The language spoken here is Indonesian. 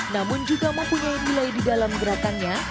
namun juga mempunyai nilai di dalam gerakannya